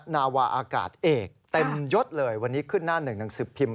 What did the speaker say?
นาวาอากาศเอกเต็มยดเลยวันนี้ขึ้นหน้าหนึ่งหนังสือพิมพ์